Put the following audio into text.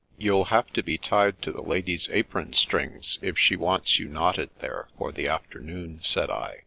" You'll have to be tied to the lady's apron strings, if she wants you knotted there, for the afternoon," said I.